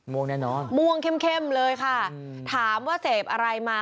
ม่วงแน่นอนม่วงเข้มเข้มเลยค่ะถามว่าเสพอะไรมา